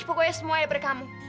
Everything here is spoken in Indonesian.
pokoknya semuanya daripada kamu